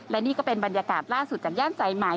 และนี่ก็เป็นบรรยากาศล่าสุดจากย่านสายไหม